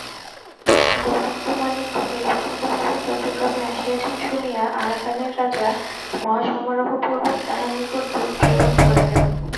গোবিন্দমাণিক্য নির্বাসিতভাবে চট্টগ্রামে আসিয়াছেন শুনিয়া আরাকানের রাজা মহাসমারোহপূর্বক তাঁহার নিকট দূত প্রেরণ করিলেন।